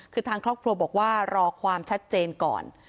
คือทางครอบครัวบอกว่ารอความชัดเจนก่อน